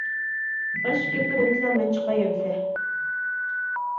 باشقا گەپلىرى بولمىسا مەن چىقاي ئەمىسە.